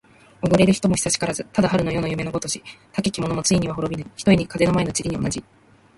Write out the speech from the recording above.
おごれる人も久しからず。ただ春の夜の夢のごとし。たけき者もついには滅びぬ、ひとえに風の前の塵に同じ。